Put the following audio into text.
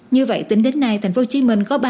như vậy tính đến nay tp hcm có ba địa phương